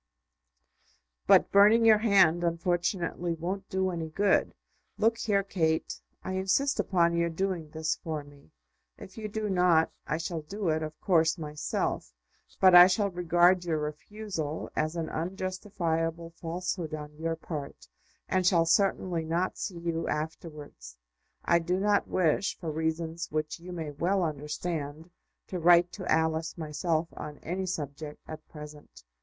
"But burning your hand, unfortunately, won't do any good. Look here, Kate; I insist upon your doing this for me. If you do not, I shall do it, of course, myself; but I shall regard your refusal as an unjustifiable falsehood on your part, and shall certainly not see you afterwards. I do not wish, for reasons which you may well understand, to write to Alice myself on any subject at present.